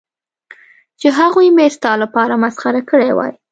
چې هغوی مې ستا لپاره مسخره کړې وای.